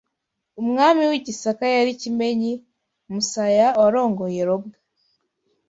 Umwami w’i Gisaka yari Kimenyi Musaya warongoye Robwa,